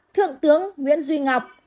ba thượng tướng nguyễn duy ngọc